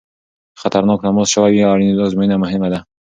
که خطرناک تماس شوی وي ازموینه مهمه ده.